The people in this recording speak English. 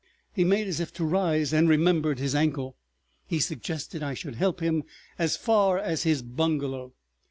He made as if to rise, and remembered his ankle. He suggested I should help him as far as his bungalow.